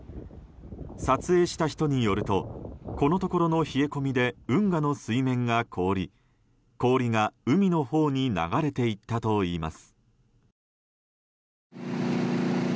撮影した人によるとこのところの冷え込みで運河の水面が凍り氷が海のほうに流れていったといいます。